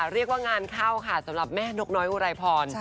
เรียกว่างานเข้าค่ะสำหรับแม่นกน้อยอุไรพร